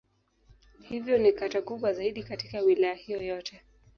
Hivyo ni kata kubwa zaidi katika Wilaya hiyo yote.